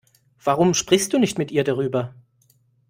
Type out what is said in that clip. Warum sprichst du nicht mit ihr darüber?